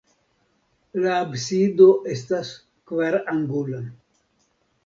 La absido estas kvarangula.